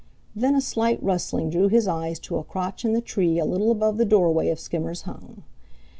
Then a slight rustling drew his eyes to a crotch in the tree a little above the doorway of Skimmer's home.